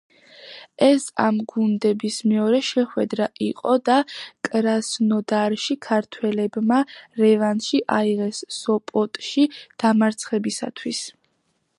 ეს ამ გუნდების მეორე შეხვედრა იყო და კრასნოდარში ქართველებმა რევანში აიღეს სოპოტში დამარცხებისათვის.